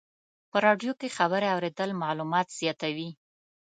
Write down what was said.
په رادیو کې خبرې اورېدل معلومات زیاتوي.